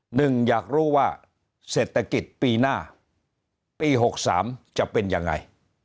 หนึ่งอยากรู้ว่าเศรษฐกิจปีหน้าปี๖๓จะเป็นยังไง